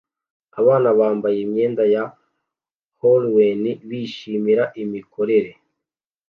abana bambaye imyenda ya Halloween bishimira imikorere